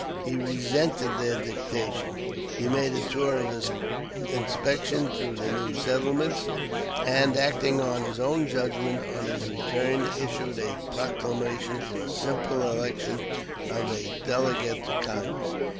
He resented their dictation; he made a tour of inspection through the new settlements; and, acting on his own judgment, on his return issued a proclamation for a simple election of a delegate to Congress.